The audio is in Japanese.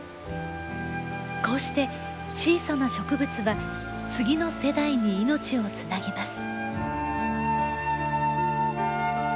こうして小さな植物は次の世代に命をつなぎます。